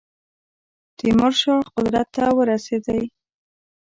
تیمور شاه قدرت ته ورسېدی.